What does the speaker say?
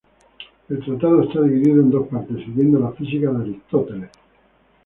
El Tratado está dividido en dos partes, siguiendo la Física de Aristóteles.